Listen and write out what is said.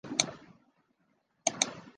却遭到否认。